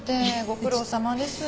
ご苦労さまです。